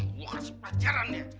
gue kasih pajaran ya